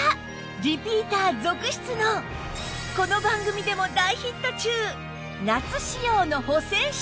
リピーター続出のこの番組でも大ヒット中夏仕様の補整下着